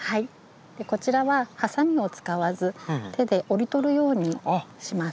こちらははさみを使わず手で折り取るようにします。